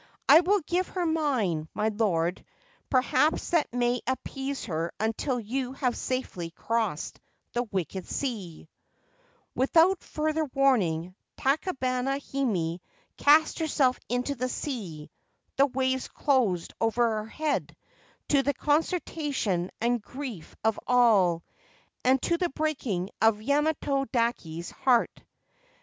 I will give her mine, my lord ; perhaps that may appease her until you have safely crossed the wicked sea/ Without further warning, Tachibana Hime cast herself into the sea ; the waves closed over her head, to the consternation and grief of all, and to the breaking of Yamato dake's heart.